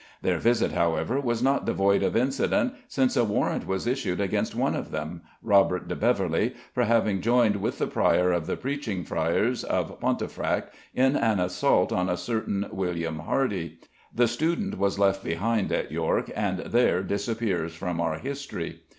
Their visit, however, was not devoid of incident since a warrant was issued against one of them, Robert de Beverley, for having joined with the prior of the preaching friars of Pontefract in an assault on a certain William Hardy: the student was left behind at York, and there disappears from our history.